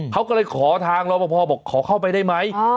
เขาก็เลยขอทางรอปภบอกขอเข้าไปได้ไหม